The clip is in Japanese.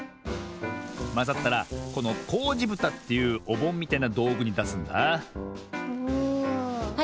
まざったらこの「こうじぶた」というおぼんみたいなどうぐにだすんだは